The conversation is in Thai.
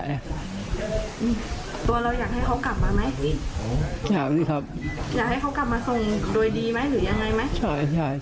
ตัวเราอยากให้เขากลับมาไหมอยากให้เขากลับมาส่งโดยดีไหมหรืออย่างไรไหม